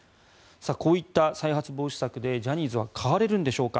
こういった再発防止策でジャニーズは変われるんでしょうか。